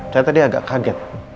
saya tadi agak kaget